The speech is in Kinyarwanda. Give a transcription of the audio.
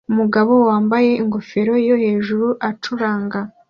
Umugabo wambaye ingofero yo hejuru acuranga